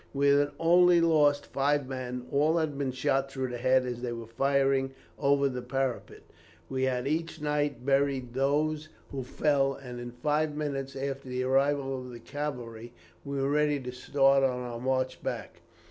We had only lost five men; all had been shot through the head as they were firing over the parapet. We had each night buried those who fell, and in five minutes after the arrival of the cavalry, were ready to start on our march back.